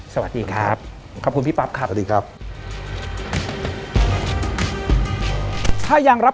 สวัสดีครับ